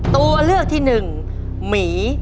ตัวเลือกที่๑หมี